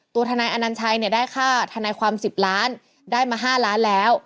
ทนายอนัญชัยเนี่ยได้ค่าทนายความ๑๐ล้านได้มา๕ล้านแล้ว